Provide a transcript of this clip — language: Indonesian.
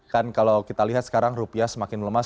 kan kalau kita lihat sekarang rupiah semakin melemah